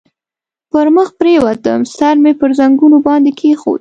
پر مخ پرېوتم، سر مې پر زنګنو باندې کېښود.